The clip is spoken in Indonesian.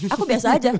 aku biasa aja